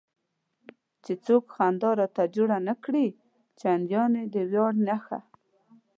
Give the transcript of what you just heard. چې څوک خنډ راته جوړ نه کړي، چندانې د ویاړ نښه.